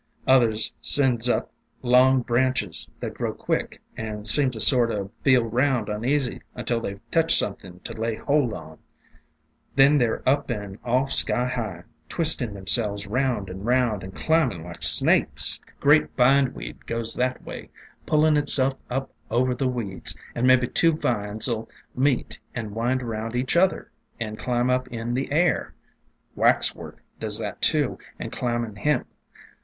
Others sends up long branches that grow quick and seem to sort o' feel round uneasy until they touch something to lay hold on. Then they 're up and off sky high, twist ing themselves round and round, and climbing like THE DRAPERY OF VINES 297 snakes. Great Bindweed goes that way, pullin' itself up over the weeds, and mebby two vines '11 meet and wind around each other, and climb up in the air. Waxwork does that too, an' Climbin' Hemp.